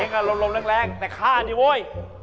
เองละลมแรงแต่ข้าดีโว้ย